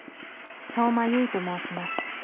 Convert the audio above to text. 「相馬悠依と申します」